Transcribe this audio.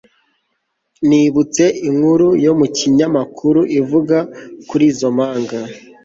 Nibutse inkuru yo mu kinyamakuru ivuga kuri izo mpanga